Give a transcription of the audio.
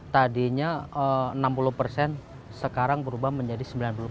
tadinya enam puluh sekarang berubah menjadi sembilan puluh